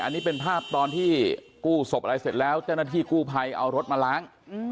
อันนี้เป็นภาพตอนที่กู้ศพอะไรเสร็จแล้วเจ้าหน้าที่กู้ภัยเอารถมาล้าง